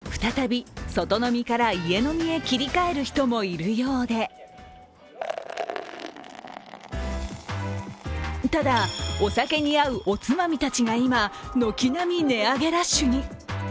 新型コロナの感染急拡大で再び外飲みから家飲みへ切り替える人もいるようでただ、お酒に合うおつまみたちが今、軒並み値上げラッシュに。